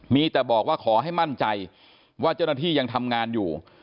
มีแต่บอกว่าขอให้มั่นใจว่าเจ้าหน้าที่ยังทำงานอยู่